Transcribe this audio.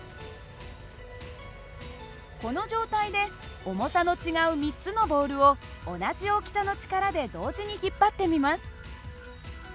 この状態で重さの違う３つのボールを同じ大きさの力で同時に引っ張ってみます。